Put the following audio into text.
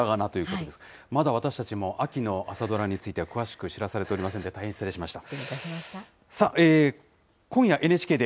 舞い上がれ！がひらがなといまだ私たちも秋の朝ドラについては詳しく知らされておりませんで、大変失礼しました。